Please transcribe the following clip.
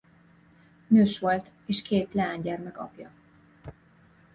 Nős volt és két leánygyermek apja.